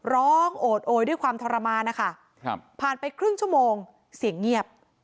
โอดโอยด้วยความทรมานนะคะผ่านไปครึ่งชั่วโมงเสียงเงียบ